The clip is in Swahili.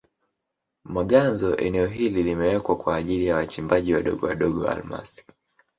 Maganzo eneo hili limewekwa kwa ajili ya wachimbaji wadogowadogo wa almasi